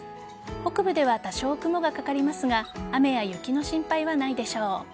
北部では多少雲がかかりますが雨や雪の心配はないでしょう。